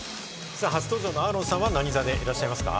初登場のアーロンさんは何座でいらっしゃいますか？